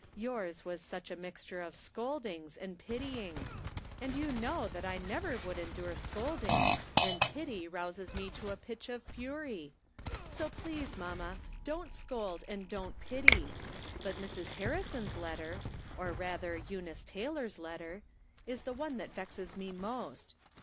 Yours was such a mixture of scoldings and pityings ! And you know that I never would endure scolding, and pity rouses me to a pitch of fury. So please, mamma, don't scold and don't pity. But Mrs. Harrison's letter — or, rather, Eunice Taylor's letter — ^is the one that vexes me most.